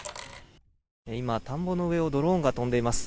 今、田んぼの上をドローンが飛んでいます。